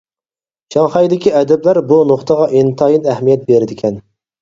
شاڭخەيدىكى ئەدىبلەر بۇ نۇقتىغا ئىنتايىن ئەھمىيەت بېرىدىكەن.